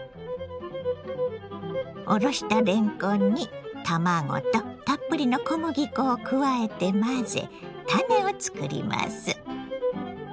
おろしたれんこんに卵とたっぷりの小麦粉を加えて混ぜたねをつくります。